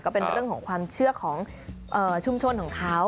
ก็เป็นเรื่องของความเชื่อของชุมชนของเขา